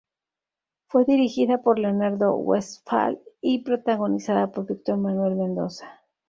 Fue dirigida por Leonardo Westphal y protagonizada por Víctor Manuel Mendoza.